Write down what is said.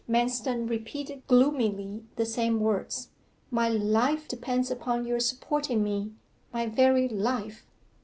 Manston repeated gloomily the same words. 'My life depends upon your supporting me my very life.